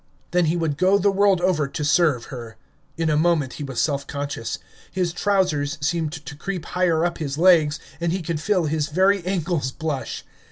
Then he would go the world over to serve her. In a moment he was self conscious. His trousers seemed to creep higher up his legs, and he could feel his very ankles blush.